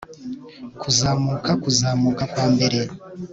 kuzamuka kuzamuka kwa mbere